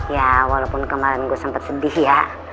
ya walaupun kemarin gue sempat sedih ya